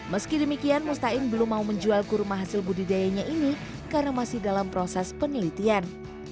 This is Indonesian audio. meski demikian mustain belum mau menjual kurma hasil budidayanya ini karena masih dalam proses penelitian